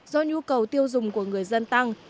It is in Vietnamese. do nhu cầu tiêu dùng của người dân tăng